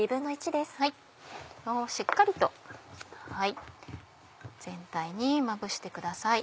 しっかりと全体にまぶしてください。